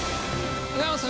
おはようございます！